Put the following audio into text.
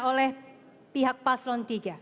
oleh pihak paslon tiga